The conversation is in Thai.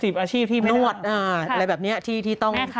อาชีพที่นวดอะไรแบบนี้ที่ต้อง